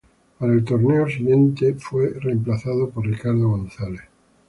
Para el torneo siguiente fue reemplazado por Ricardo González.